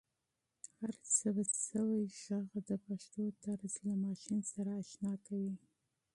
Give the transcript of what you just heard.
هر ثبت شوی ږغ د پښتو طرز له ماشین سره اشنا کوي.